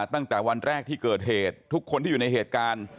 ตั้งแต่วันแรกที่เกิดเหตุทุกคนที่อยู่ในเหตุการณ์